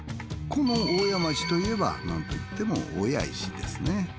この大谷町といえばなんといっても大谷石ですね。